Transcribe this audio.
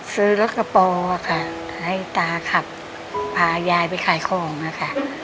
ซื้อรถกระป๋อค่ะให้ตาขับพายายไปขายของค่ะ